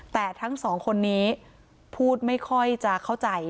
แต่ทั้งสองคนนี้พูดไม่ค่อยจะเข้าใจ